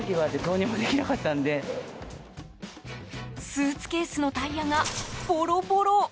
スーツケースのタイヤがボロボロ。